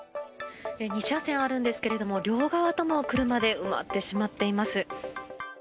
２車線あるんですが両側とも車で埋まってしまっています。